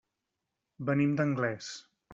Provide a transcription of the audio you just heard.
Venim d'Anglès.